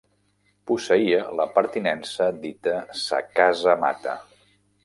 Posseïa la pertinença dita sa Casa Mata.